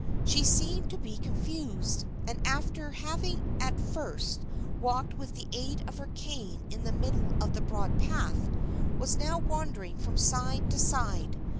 She seemed to be confused, and after having at first walked with the aid of her cane in the middle of the broad path, was now wandering from side to side.